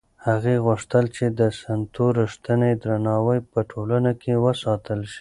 هغې غوښتل چې د سنتو رښتینی درناوی په ټولنه کې وساتل شي.